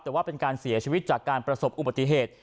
แต่ว่าเป็นการเสียชีวิตจากการประสบอุบัติเหตุ